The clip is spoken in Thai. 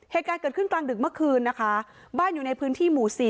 เหตุการณ์เกิดขึ้นกลางดึกเมื่อคืนนะคะบ้านอยู่ในพื้นที่หมู่สี่